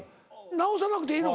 直さなくていいの？